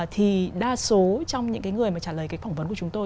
thì đa số trong những cái người mà trả lời cái phỏng vấn của chúng tôi